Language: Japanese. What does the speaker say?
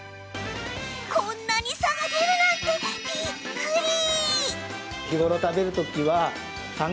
こんなに差が出るなんて、びっくり！